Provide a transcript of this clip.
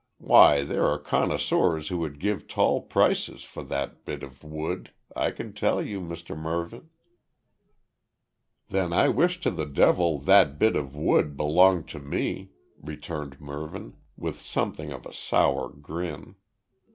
"Why there are connoisseurs who would give tall prices for that bit of wood, I can tell you, Mr Mervyn." "Then I wish to the devil `that bit of wood' belonged to me," returned Mervyn, with something of a sour grin.